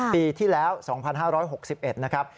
ปีที่แล้ว๒๕๖๑นะครับ